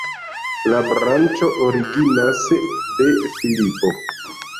La branĉo originas de Filipo.